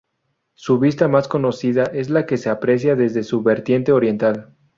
Su vista más conocida es la que se aprecia desde su vertiente oriental.